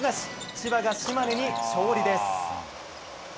千葉が島根に勝利です。